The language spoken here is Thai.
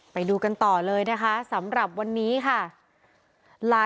ไปดูกันต่อเลยนะคะสำหรับวันนี้ค่ะ